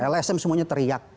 lsm semuanya teriak